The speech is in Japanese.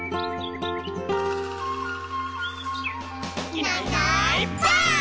「いないいないばあっ！」